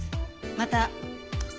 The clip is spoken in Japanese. また。